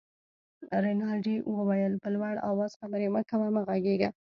رینالډي وویل: په لوړ آواز خبرې مه کوه، مه غږېږه.